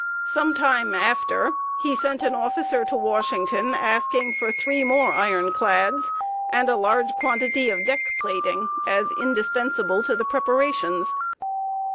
Some time after, he sent an officer to Washington, asking for three more iron clads and a large quantity of deck plating as indispensable to the preparations.